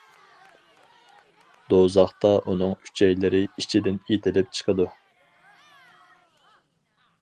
دوزاختا ئۇنىڭ ئۈچەيلىرى ئىچىدىن ئېتىلىپ چىقىدۇ.